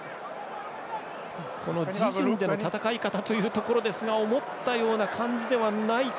自陣での戦い方というところですが思ったような感じではないか。